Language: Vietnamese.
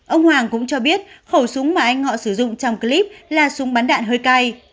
ông hoàng cũng cho biết khẩu súng mà anh ngọ sử dụng trong clip là súng bắn đạn hơi cay